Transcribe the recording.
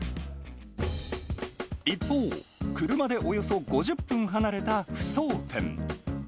一方、車でおよそ５０分離れた扶桑店。